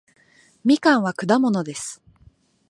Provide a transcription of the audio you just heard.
みかんは果物です